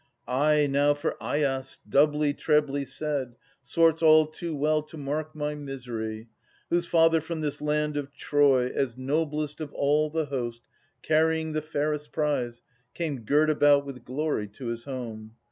Ai ' now for Aias, doubly, trebly said, Sorts all too well to mark my misery ; Whose father from this land of Troy, as noblest Of all the host, carrying the fairest prize, Came girt about with glory to his home.